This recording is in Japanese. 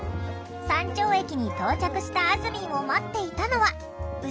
山頂駅に到着したあずみんを待っていたのはどうですか？